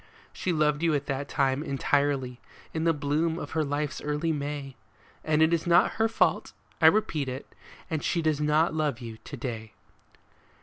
She loved you at that time entirely, in the bloom of her life's early May, And it is not her fault, I repeat it, that she does not love you to day.